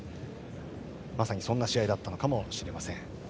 まさにそんな試合だったのかもしれません。